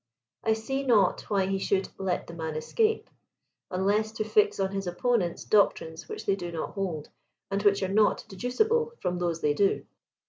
I see not why he should " let the man escape," un less to fix on his opponents doctrines which they do not hold, and which are not deducible from those they do.